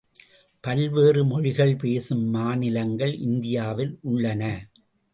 பல்வேறு மொழிகள் பேசும் மாநிலங்கள் இந்தியாவில் உள்ளன.